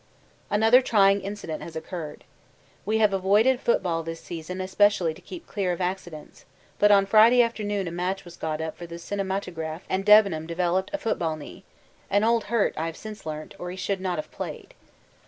Another trying incident has occurred. We have avoided football this season especially to keep clear of accidents, but on Friday afternoon a match was got up for the cinematograph and Debenham developed a football knee (an old hurt, I have since learnt, or he should not have played).